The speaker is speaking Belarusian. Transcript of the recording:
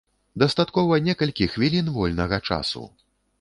Дастаткова некалькі хвілін вольнага часу.